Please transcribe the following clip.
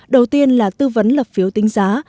đầu tiên là tư vấn lập phiếu tính giá